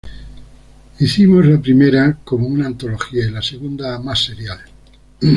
Hicimos la primera como una antología y la segunda más serial.